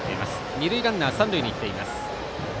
二塁ランナー三塁に行っています。